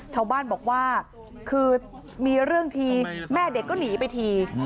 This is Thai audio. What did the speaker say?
ชาวบ้านบอกว่าคือมีเรื่องทีแม่เด็กก็หนีไปที